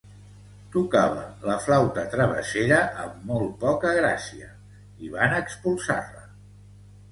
Tocava la flauta travessera amb molt poca gràcia i van expulsar-la.